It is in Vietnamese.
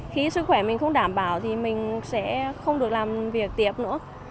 khi sức khỏe mình không đảm bảo thì mình sẽ không được làm việc tiếp nữa